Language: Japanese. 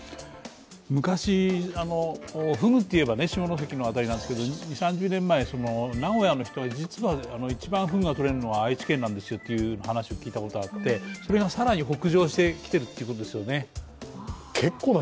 昔、フグといえば下関の辺りなんですが、２０３０年前、名古屋の人に、実は一番フグがとれるのは愛知県ですという話を聞いたことがあってそれが更に北上してきているということなんですよね。